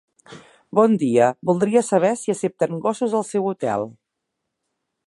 Bon dia, voldria saber si accepten gossos al seu hotel.